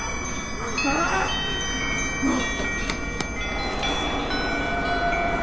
もう！